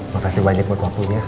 makasih banyak buat waktunya